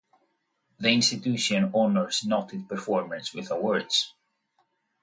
The institution honours noted performers with awards.